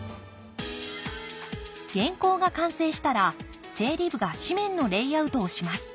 原稿が完成したら整理部が紙面のレイアウトをします。